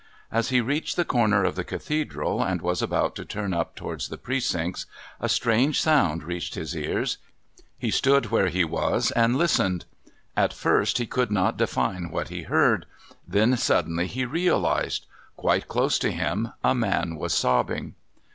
As he reached the corner of the Cathedral, and was about to turn up towards the Precincts, a strange sound reached his ears. He stood where he was and listened. At first he could not define what he heard then suddenly he realised. Quite close to him a man was sobbing.